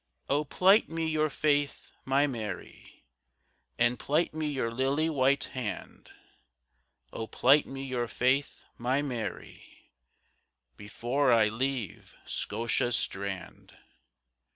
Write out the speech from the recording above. O plight me your faith, my Mary, And plight me your lily white hand;O plight me your faith, my Mary, Before I leave Scotia's strand.